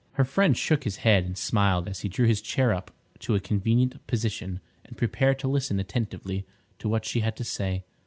Her friend shook his head and smiled as he drew his chair up to a convenient position and prepared to listen attentively to what she had to say.